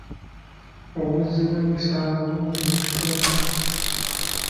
Obuzzi bw'emisango bungi mu kitundu.